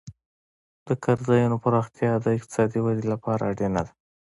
د کار ځایونو پراختیا د اقتصادي ودې لپاره اړینه ده.